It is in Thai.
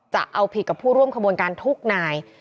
จะเอาผิดกับผู้ร่วมขบวนการทุกนาย